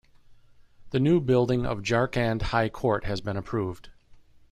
The new building of Jharkhand High Court has been approved.